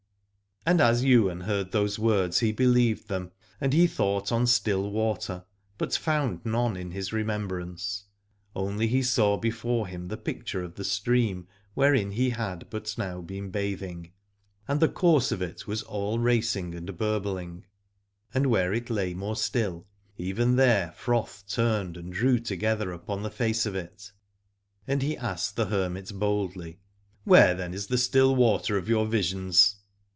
And as Ywain heard those words he be lieved them, and he thought on still water, but found none in his remembrance : only he saw before him the picture of the stream, wherein he had but now been bathing, and the course of it was all racing and burbling, and where it lay more still, even there froth turned and drew together upon the face of 34 Aladore it. And he asked the hermit boldly: Where then is the still water of your visions